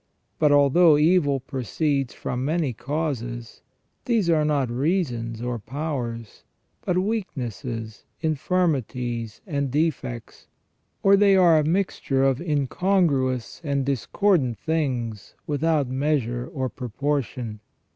But although evil proceeds from many causes, these are not reasons or powers, but weak nesses, infirmities, and defects, or they are a mixture of incon gruous and discordant things without measure or proportion.